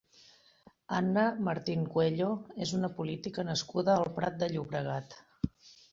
Anna Martín Cuello és una política nascuda al Prat de Llobregat.